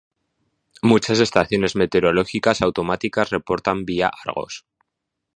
Muchas estaciones meteorológicas automáticas reportan vía Argos.